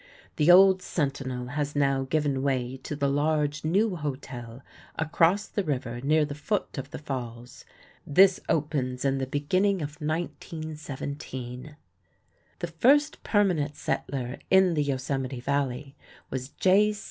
The old Sentinel has now given way to the large new hotel across the river near the foot of the falls. This opens in the beginning of 1917. The first permanent settler in the Yosemite Valley was J.